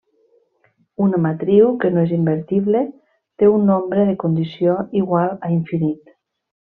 Una matriu que no és invertible té un nombre de condició igual a infinit.